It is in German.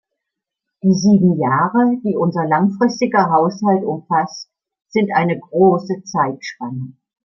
Die sieben Jahre, die unser langfristiger Haushalt umfasst, sind eine große Zeitspanne.